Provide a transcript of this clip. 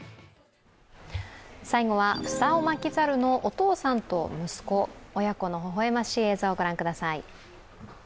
最後は、フサオマキザルのお父さんと息子、親子のほほ笑ましい映像、御覧ください。